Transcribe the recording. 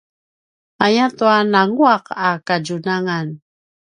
ayatua nanguaq a kadjunangan